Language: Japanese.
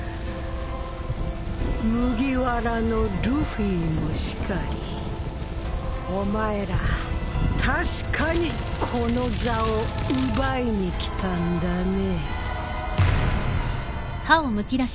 麦わらのルフィもしかりお前ら確かにこの座を奪いに来たんだね。